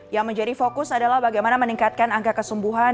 yang menjadi fokus adalah bagaimana meningkatkan angka kesembuhan